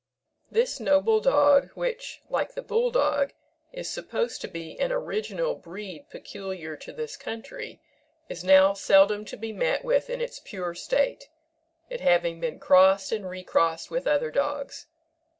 This noble dog, which, like the bull dog, is supposed to be an original breed peculiar to this country, is now seldom to be met with in its pure state, it having been crossed and recrossed with other dogs.